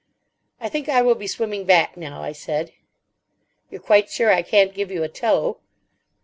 "I think I will be swimming back now," I said. "You're quite sure I can't give you a tow?"